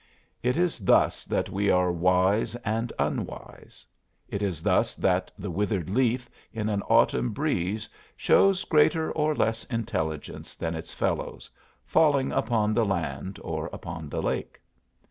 It is thus that we are wise and unwise. It is thus that the withered leaf in an autumn breeze shows greater or less intelligence than its fellows, falling upon the land or upon the lake.